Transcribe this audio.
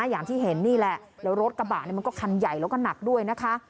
อย่างที่เห็นนี่แหละแล้วรถกระบะมันก็คันใหญ่แล้วก็หนักด้วยนะคะ